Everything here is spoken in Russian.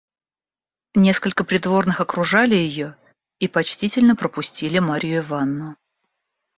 Несколько придворных окружали ее и почтительно пропустили Марью Ивановну.